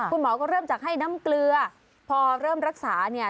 คุณหมอก็เริ่มจากให้น้ำเกลือพอเริ่มรักษาเนี่ย